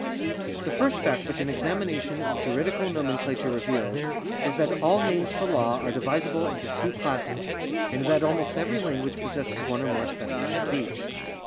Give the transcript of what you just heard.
The first fact which an examination of juridical nomenclature reveals, is that all names for law are divisible into two classes, and that almost every language possesses one or more specimens of each.